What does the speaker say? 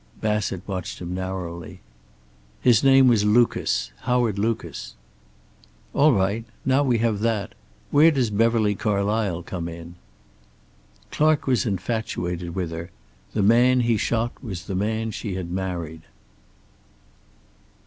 Bassett watched him narrowly. "His name was Lucas. Howard Lucas." "All right. Now we have that, where does Beverly Carlysle come in?" "Clark was infatuated with her. The man he shot was the man she had married."